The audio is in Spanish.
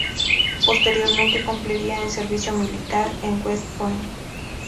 Posteriormente cumpliría en servicio militar en West Point.